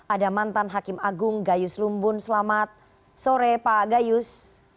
ada mantan hakim agung gayus lumbun selamat sore pak gayus